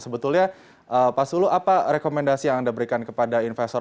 sebetulnya pak sulu apa rekomendasi yang anda berikan kepada investor